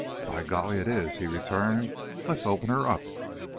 "By golly, it is!" he returned; "let's open her up!"